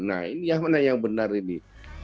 nah ini yang mana yang benar ini